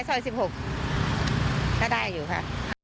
ซอย๑๖ก็ได้อยู่ค่ะ